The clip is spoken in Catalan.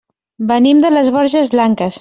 Venim de les Borges Blanques.